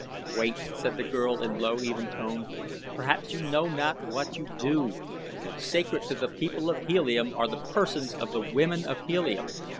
"Wait!" said the girl in low, even tone. "Perhaps you know not what you do. Sacred to the people of Helium are the persons of the women of Helium.